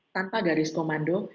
tanpa garis komando